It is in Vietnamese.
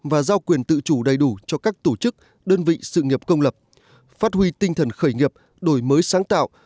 và giao quyền tự chủ đầy đủ cho các tổ chức đơn vị sự nghiệp công lập phát huy tinh thần khởi nghiệp đổi mới sáng tạo